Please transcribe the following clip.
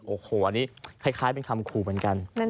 โอ้โหอันนี้คล้ายเป็นคำขู่เหมือนกัน